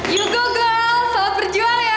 you go girl salam berjual ya